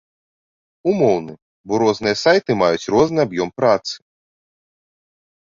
Умоўны, бо розныя сайты маюць розны аб'ём працы.